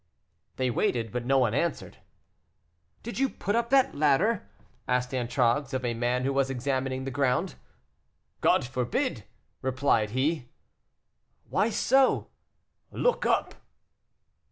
They waited, but no one answered. "Did you put up that ladder?" asked Antragues of a man who was examining the ground. "God forbid!" replied he. "Why so?" "Look up."